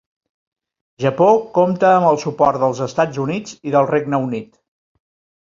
Japó compta amb el suport dels Estats Units i del Regne Unit.